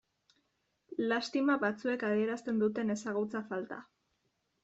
Lastima batzuek adierazten duten ezagutza falta.